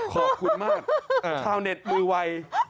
ขอบคุณมากชาวเน็ตมือวัย